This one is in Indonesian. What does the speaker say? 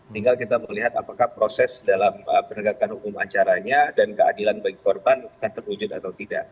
tinggal kita melihat apakah proses dalam penegakan hukum acaranya dan keadilan bagi korban akan terwujud atau tidak